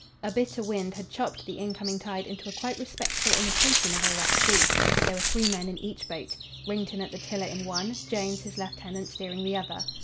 A bitter wind had chopped the incoming tide into a quite respectable imitation of a rough sea. There were three men in each boat. Wrington at the tiller in one, Jones, his lieutenant, steering the other.